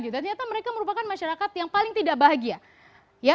ternyata mereka merupakan masyarakat yang paling tidak bahagia